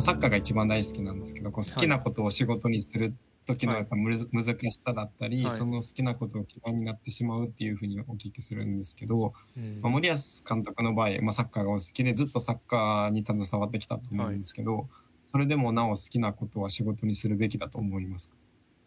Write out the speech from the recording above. サッカーが一番大好きなんですけど好きなことを仕事にする時の難しさだったりその好きなことを嫌いになってしまうっていうふうにお聞きするんですけど森保監督の場合サッカーがお好きでずっとサッカーに携わってきたと思うんですけどそれでもなお好きなことは仕事にするべきだと思いますか？